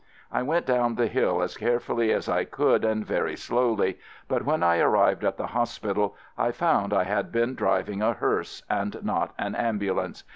I went down the hill as carefully as I could and very slowly, but when I arrived at the hospital I found I had been driving a hearse and not an ambulance.